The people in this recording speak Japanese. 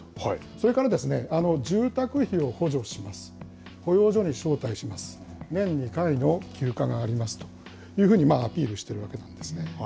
それから住宅費を補助します、保養所に招待します、年２回の休暇がありますというふうにアピールしているわけなんですね。